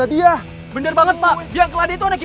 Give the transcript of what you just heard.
jadi bekerja saudaranya di k anderson ini